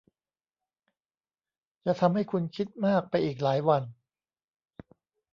จะทำให้คุณคิดมากไปอีกหลายวัน